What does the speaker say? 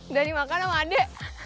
udah dimakan sama ade